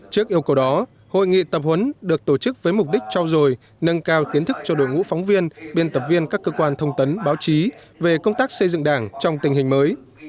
trước yêu cầu đó hội nghị tập huấn được tổ chức với mục đích trao dồi nâng cao kiến thức cho đội ngũ phóng viên biên tập viên các cơ quan thông tấn báo chí về công tác xây dựng đảng trong tình hình mới